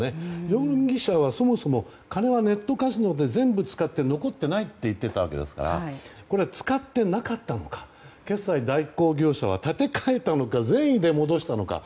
容疑者はそもそも金はネットカジノで全部使って残ってないって言ってたわけですから使ってなかったのか決済代行業者は立て替えたのか善意で戻したのか。